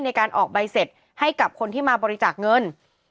ในการออกใบเสร็จให้กับคนที่มาบริจาคเงิน